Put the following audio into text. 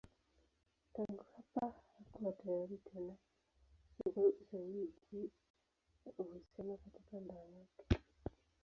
Tangu hapa hakuwa tayari tena kuchukua ushauri juu ya uhusiano katika ndoa yake.